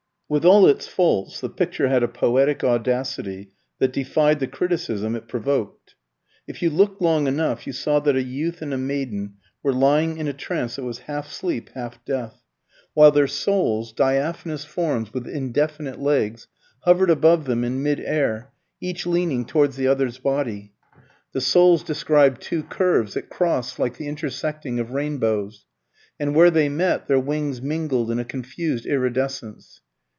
With all its faults the picture had a poetic audacity that defied the criticism it provoked. If you looked long enough, you saw that a youth and a maiden were lying in a trance that was half sleep, half death; while their souls, diaphanous forms with indefinite legs, hovered above them in mid air, each leaning towards the other's body. The souls described two curves that crossed like the intersecting of rainbows; and where they met, their wings mingled in a confused iridescence.